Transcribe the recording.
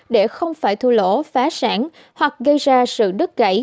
để không phải thua lỗ phá sản hoặc gây ra sự đứt gãy